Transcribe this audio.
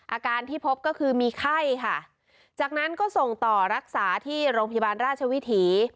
อาการที่พบก็คือมีไข้ค่ะจากนั้นก็ส่งต่อรักษาที่โรงพยาบาลราชวิถี